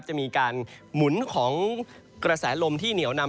จะมีการหมุนของกระแสลมที่เหนียวนำ